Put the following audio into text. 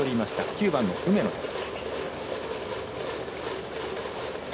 ９番の梅野です。